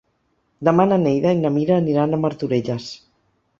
Demà na Neida i na Mira aniran a Martorelles.